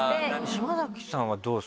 島崎さんはどうですか？